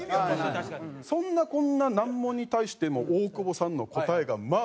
そんなこんな難問に対しても大久保さんの答えがまあすごい。